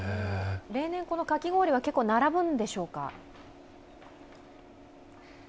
例年このかき氷は結構並ぶんでしょうか？